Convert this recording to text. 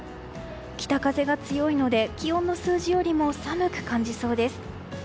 北風が強いので気温の数字よりも寒く感じそうです。